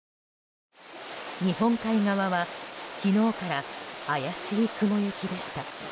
日本海側は昨日から怪しい雲行きでした。